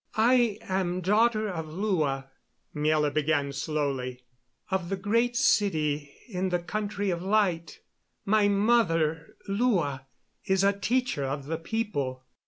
"I am daughter of Lua," Miela began slowly, "of the Great City in the Country of Light. My mother, Lua, is a teacher of the people.